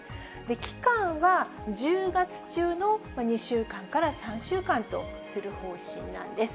期間は１０月中の２週間から３週間とする方針なんです。